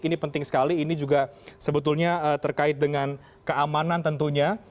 ini penting sekali ini juga sebetulnya terkait dengan keamanan tentunya